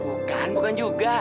bukan bukan juga